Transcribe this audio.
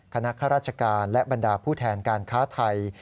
ข้าราชการและบรรดาผู้แทนการค้าไทย